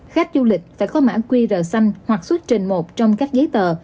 khách du lịch phải có mã qr xanh hoặc xuất trình một trong các giấy tờ